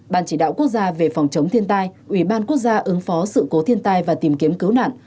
ban chỉ đạo quốc gia về phòng chống thiên tai ủy ban quốc gia ứng phó sự cố thiên tai và tìm kiếm cứu nạn